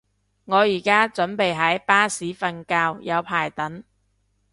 我而家準備喺巴士瞓覺，有排等